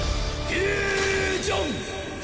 フュージョン！